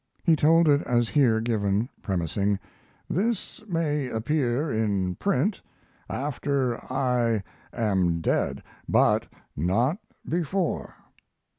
He told it as here given, premising: "This may appear in print after I am dead, but not before.